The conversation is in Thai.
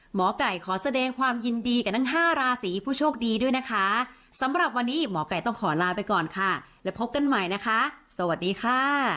หมอไก่ขอแสดงความยินดีกับทั้งห้าราศีผู้โชคดีด้วยนะคะสำหรับวันนี้หมอไก่ต้องขอลาไปก่อนค่ะและพบกันใหม่นะคะสวัสดีค่ะ